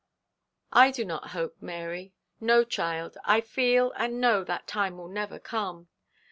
'I do not hope, Mary. No, child, I feel and know that time will never come.